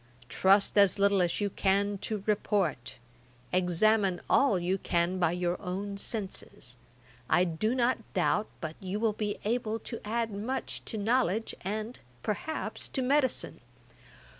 Trust as little as you can to report; examine all you can by your own senses. I do not doubt but you will be able to add much to knowledge, and, perhaps, to medicine.